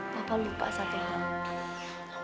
papa lupa satu hal